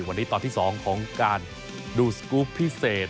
วันนี้ตอนที่๒ของการดูสกรูปพิเศษ